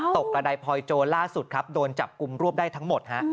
กระดายพลอยโจรล่าสุดครับโดนจับกลุ่มรวบได้ทั้งหมดฮะ